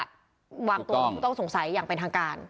วางตัวผู้ต้องสงสัยอย่างเป็นทางการ